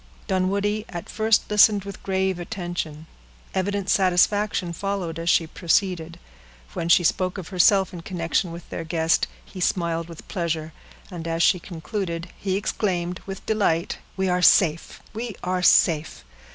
Dunwoodie at first listened with grave attention; evident satisfaction followed as she proceeded. When she spoke of herself in connection with their guest, he smiled with pleasure, and as she concluded, he exclaimed, with delight,— "We are safe!—we are safe!"